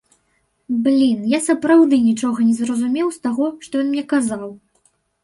Блін, я сапраўды нічога не зразумеў з таго, што ён мне казаў!